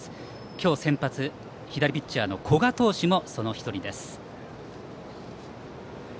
今日先発左ピッチャーの古賀投手もその１人です。